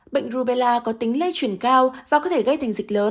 bệnh rubella có tính lây chuyển cao và có thể gây thành dịch lớn